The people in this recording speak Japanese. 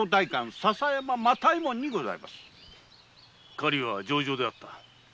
狩は上々であった。